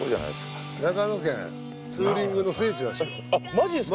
△マジっすか？